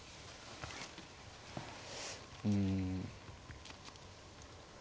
うん。